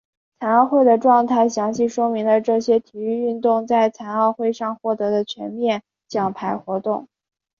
残奥会的状态详细说明了这些体育运动在残奥会上获得的全面奖牌活动。